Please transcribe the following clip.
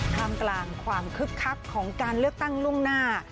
ท่ามกลางความคึกคักของการเลือกตั้งล่วงหน้า